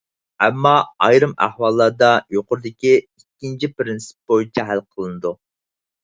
ئەمما، ئايرىم ئەھۋاللاردا يۇقىرىدىكى ئىككىنچى پىرىنسىپ بويىچە ھەل قىلىنىدۇ.